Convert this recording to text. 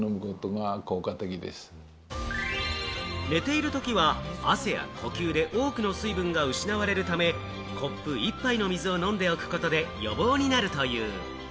寝ているときは汗や呼吸で多くの水分が失われるため、コップ１杯の水を飲んでおくことで予防になるという。